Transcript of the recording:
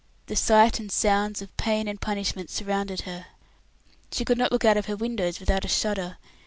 The sights and sounds of pain and punishment surrounded her. She could not look out of her windows without a shudder.